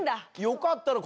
よかったら。